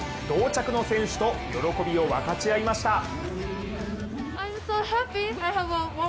同着の選手と、喜びを分かち合いました。